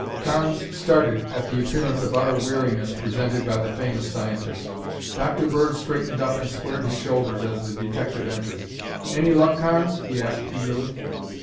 Carnes started at the appearance of utter weariness presented by the famous scientist. Dr. Bird straightened up and squared his shoulders as the detective entered. "Any luck, Carnes?" he asked eagerly.